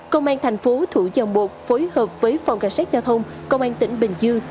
công an thành phố thủ dầu một phối hợp với phòng cảnh sát giao thông công an tỉnh bình dương